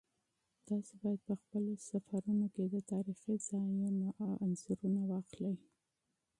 تاسو باید په خپلو سفرونو کې د تاریخي ځایونو تصویرونه واخلئ.